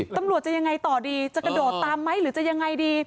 ตำรวจจะยังไงต่อดีจะกระโดดตามไหมหรือจะยังไงดี